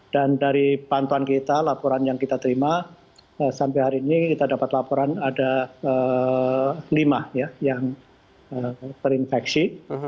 dan dari pantuan kita laporan yang kita terima sampai hari ini kita dapat laporan ada lima yang terinfeksi